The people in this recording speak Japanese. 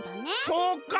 そうか。